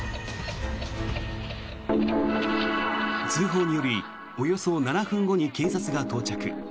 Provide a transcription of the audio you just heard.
通報によりおよそ７分後に警察が到着。